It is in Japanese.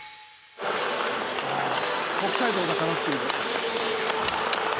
あ北海道だからっていうね。